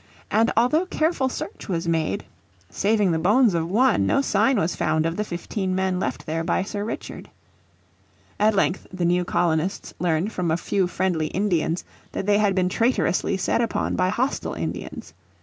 And although careful search was made, saving the bones of one, no sign was found of the fifteen men left there by Sir Richard. At length the new colonists learned from a few friendly Indians that they had been traitorously set upon by hostile Indians.